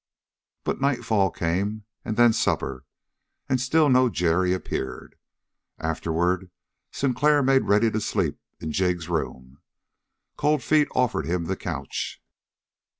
But nightfall came, and then supper, and still no Jerry appeared. Afterward, Sinclair made ready to sleep in Jig's room. Cold Feet offered him the couch.